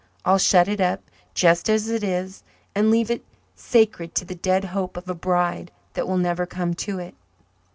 I'll shut it up, just as it is, and leave it sacred to the dead hope of a bride that will never come to it."